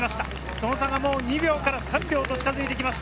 その差は２秒から３秒と近づいてきました。